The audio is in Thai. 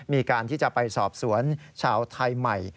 มีการที่จะไปสอบสวนชาวไทยใหม่